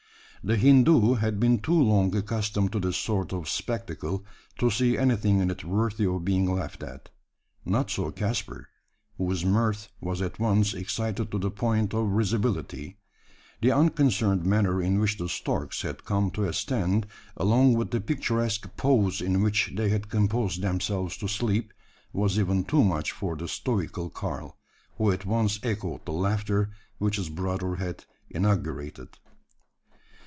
The Hindoo had been too long accustomed to this sort of spectacle, to see anything in it worthy of being laughed at. Not so Caspar whose mirth was at once excited to the point of risibility. The unconcerned manner in which the storks had come to a stand along with the picturesque pose in which they had composed themselves to sleep was even too much for the stoical Karl; who at once echoed the laughter which his brother had inaugurated.